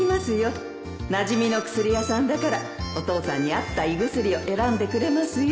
なじみの薬屋さんだからお父さんに合った胃薬を選んでくれますよ